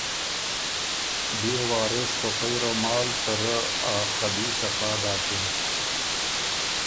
بيې وارث په خوئ رومال ته رۀ ا خلي صفا داکِن